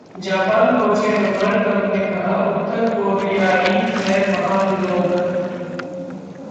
Japan पहुंचे Donald Trump ने कहा- उत्तर कोरियाई हैं महान लोग